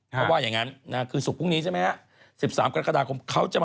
เขาบอกว่าอย่างนั้นนะฮะ